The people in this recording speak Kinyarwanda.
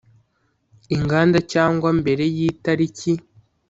inganda cyangwa mbere y itariki